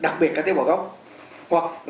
đặc biệt là tế bào gốc